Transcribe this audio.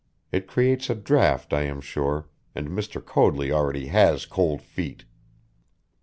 It creates a draft, I am sure, and Mr. Coadley already has cold feet!"